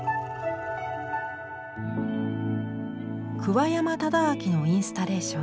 桑山忠明のインスタレーション。